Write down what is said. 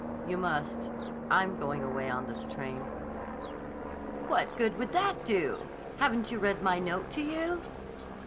"You must. I'm going away on this train." "What good would that do? Haven't you read my note to you?"